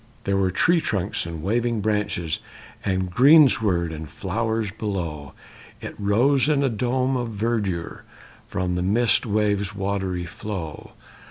There were tree trunks and waving branches, And greensward and flowers below; It rose in a dome of verdure From the mist waves' watery flow.